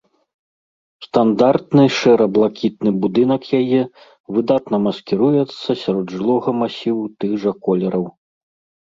Стандартны шэра-блакітны будынак яе выдатна маскіруецца сярод жылога масіву тых жа колераў.